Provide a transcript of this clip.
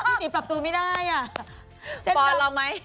พี่ศรีปรับตัวไม่ได้อ่ะ